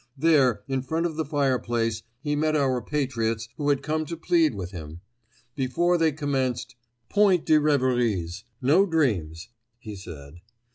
There in front of the fireplace he met our patriots who had come to plead with him. Before they commenced, 'Point de reveries'—no dreams, he said.